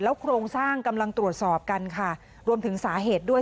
โครงสร้างกำลังตรวจสอบกันค่ะรวมถึงสาเหตุด้วย